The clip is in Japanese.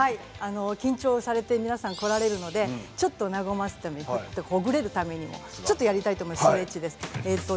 緊張されて皆さん来られるのでちょっと和ませるためにほぐれるためにもちょっとやりたいと思います。